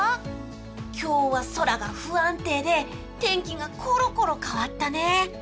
今日は空が不安定で天気がコロコロ変わったね。